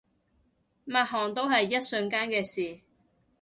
抹汗都係一瞬間嘅事